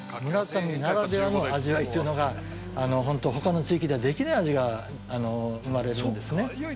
村上ならではの味わいというのが、本当、ほかの地域ではできない味が生まれるんですね。